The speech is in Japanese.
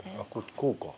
こうか。